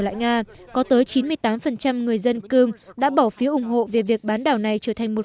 lại nga có tới chín mươi tám người dân crime đã bỏ phiếu ủng hộ về việc bán đảo này trở thành một